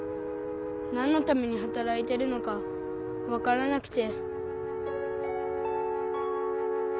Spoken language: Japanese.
なんのためにはたらいてるのかわからなくて。